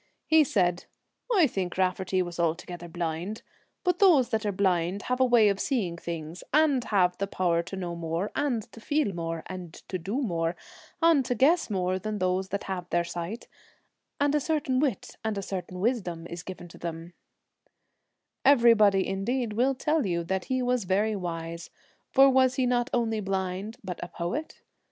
He said, ' I think Raftery was altogether blind, but those that are blind have a way of seeing things, and have the power to know more, and to feel more, and to do more, and to guess more than those that have their sight, and a certain wit and a certain wisdom is given to them/ Everybody, indeed, will tell you that he was very wise, for was he not only blind but a poet?